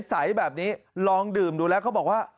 ใสแบบนี้ลองดื่มดูแล้วเขาบอกว่า